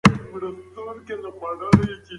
هغه غوښتل چې په ډېر احتیاط سره روسيې ته سفر وکړي.